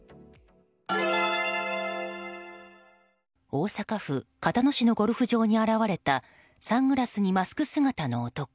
大阪府交野市のゴルフ場に現れたサングラスにマスク姿の男。